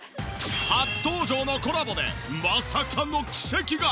初登場のコラボでまさかの奇跡が。